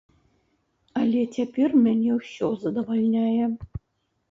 Але цяпер мяне ўсё задавальняе.